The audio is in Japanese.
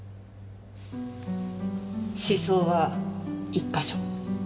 刺創は１か所。